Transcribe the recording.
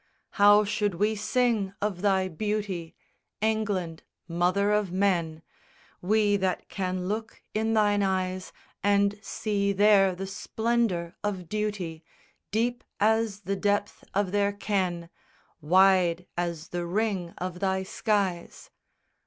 VI How should we sing of thy beauty, England, mother of men, We that can look in thine eyes And see there the splendour of duty Deep as the depth of their ken, Wide as the ring of thy skies.